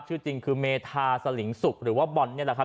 ชื่อจริงคือเมธาสลิงสุกหรือว่าบอลนี่แหละครับ